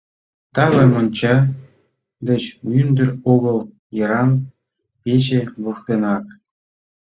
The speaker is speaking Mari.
Таве монча деч мӱндыр огыл, йыраҥ пече воктенак.